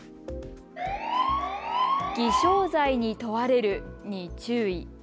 偽証罪に問われるに注意。